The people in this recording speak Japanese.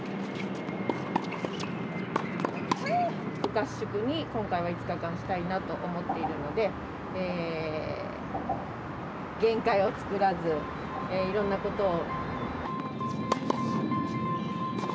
合宿に今回は５日間したいなと思っているので限界を作らずいろんなことを。